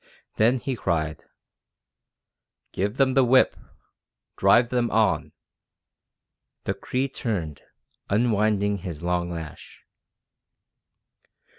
Then he cried: "Give them the whip! Drive them on!" The Cree turned, unwinding his long lash.